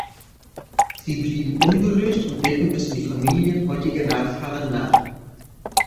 Sie blieben ungelöst und wirken bis in die Familien heutiger Nachfahren nach.